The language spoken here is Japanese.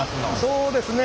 そうですね